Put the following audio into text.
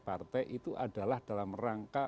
partai itu adalah dalam rangka